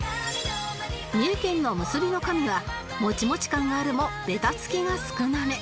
三重県の結びの神はもちもち感があるもべたつきが少なめ